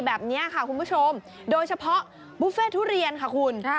แบบนี้ค่ะคุณผู้ชมโดยเฉพาะบุฟเฟ่ทุเรียนค่ะคุณ